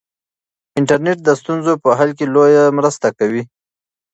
انټرنیټ د ستونزو په حل کې لویه مرسته کوي.